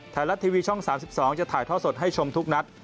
ไทยรัฐทีวีช่อง๓๒จะถ่ายท่อสดให้ชมทุกนัด